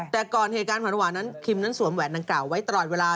แต่ก่อนเหตุการณ์หวานนั้นคิมนั้นสวมแหวนดังกล่าวไว้ตลอดเวลา